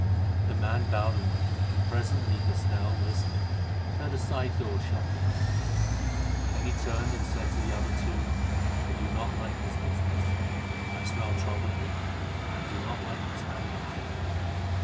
The man bowed and went, and presently Castell, listening, heard a side door shut behind him. Then he turned and said to the other two: "I do not like this business. I smell trouble in it, and I do not like the Spaniard either."